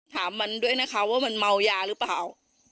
ถามมันด้วยนะคะว่ามันเมายาหรือเปล่า